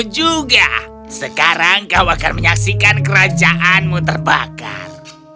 juga sekarang kau akan menyaksikan kerajaanmu terbakar